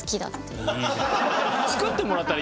作ってもらったら？